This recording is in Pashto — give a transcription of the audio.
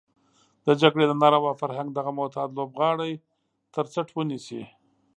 د جګړې د ناروا فرهنګ دغه معتاد لوبغاړی تر څټ ونيسي.